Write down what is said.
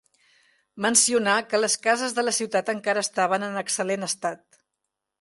Mencionà que les cases de la ciutat encara estaven en excel·lent estat.